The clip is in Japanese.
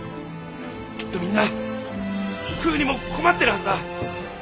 きっとみんな食うにも困ってるはずだ。